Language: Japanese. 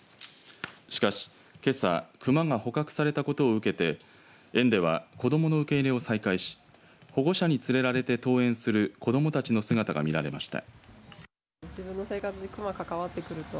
しかし、けさ熊が捕獲されたことを受けて園では子どもの受け入れを再開し保護者に連れられて登園する子どもたちの姿が見られました。